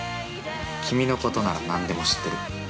◆君のことなら何でも知ってる。